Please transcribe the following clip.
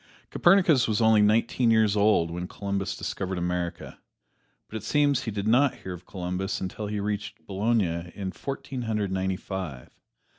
Copernicus was only nineteen years old when Columbus discovered America, but it seems he did not hear of Columbus until he reached Bologna in Fourteen Hundred Ninety five.